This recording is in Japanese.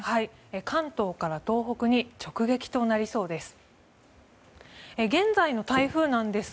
関東から東北に直撃となりそうです。